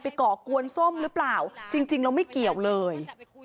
ก่อกวนส้มหรือเปล่าจริงเราไม่เกี่ยวเลย